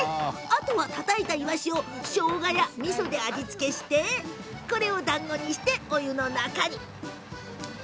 あとは、たたいたイワシをしょうがや、みそで味付けしてだんごにしてお湯の中に。